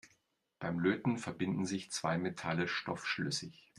Beim Löten verbinden sich zwei Metalle stoffschlüssig.